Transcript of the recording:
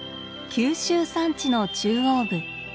九州山地の中央部。